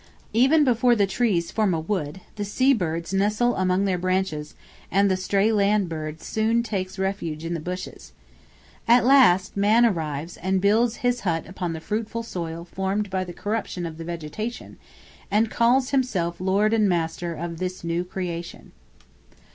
Even before the trees form a wood, the sea birds nestle among their branches, and the stray land bird soon takes refuge in the bushes. At last, man arrives and builds his hut upon the fruitful soil formed by the corruption of the vegetation, and calls himself lord and master of this new creation.